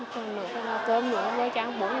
còn nước cơm nữa cho ăn bún